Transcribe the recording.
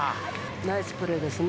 ナイスプレーですね。